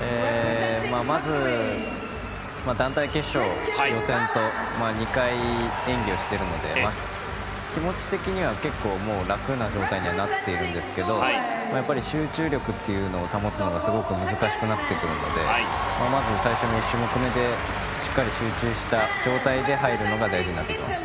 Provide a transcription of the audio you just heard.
まず、団体決勝、予選と２回演技をしているので気持ち的には結構、楽な状態にはなっているんですけどやっぱり集中力というのを保つのがすごく難しくなってくるのでまず最初の１種目目でしっかり集中した状態で入るのが大事になってきます。